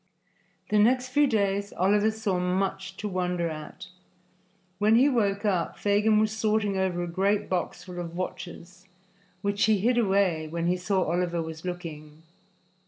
The next few days Oliver saw much to wonder at. When he woke up, Fagin was sorting over a great box full of watches, which he hid away when he saw Oliver was looking.